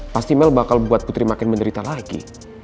pasti mel bakal buat putri makin menderita lagi